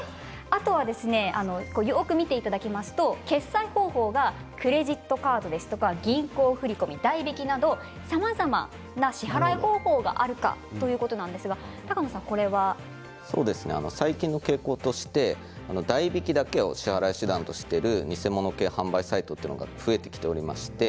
よく見ていただくと決済方法がクレジットカードや銀行振り込み、代引きなどさまざまな支払い方法が最近の傾向として代引きだけを支払い手段としている偽物系販売サイトというのが増えてきております。